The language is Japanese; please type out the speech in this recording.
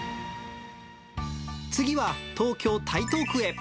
次は、東京・台東区へ。